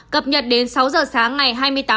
cập nhật đến sáu giờ sáng ngày hai mươi tám một mươi hai